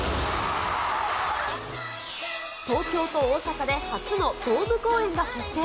東京と大阪で初のドーム公演が決定。